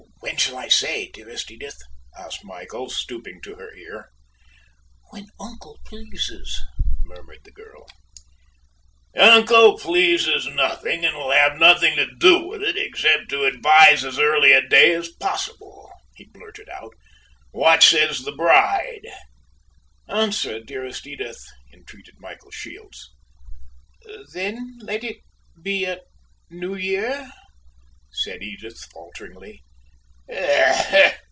"When shall I say, dearest Edith?" asked Michael, stooping to her ear. "When uncle pleases," murmured the girl. "Uncle pleases nothing, and will have nothing to do with it, except to advise as early a day as possible," he blurted out; "what says the bride?" "Answer, dearest Edith," entreated Michael Shields. "Then let it be at New Year," said Edith, falteringly.